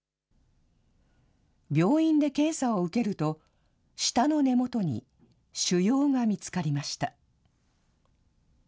病院で検査を受けると、舌の根元に腫瘍が見つかりました。